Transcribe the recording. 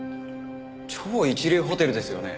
超一流ホテルですよね。